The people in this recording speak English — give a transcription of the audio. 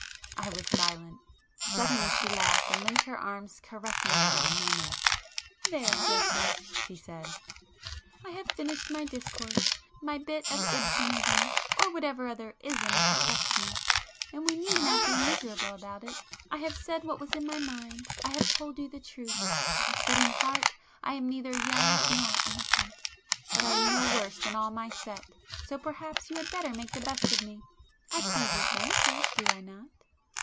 I was silent. Suddenly she laughed, and linked her arms caressingly round my neck. [p 205]"There, Geoffrey!" she said—"I have finished my discourse,—my bit of Ibsenism, or whatever other ism affects me,—and we need not be miserable about it. I have said what was in my mind; I have told you the truth, that in heart I am neither young nor innocent. But I am no worse than all my 'set' so perhaps you had better make the best of me. I please your fancy, do I not?"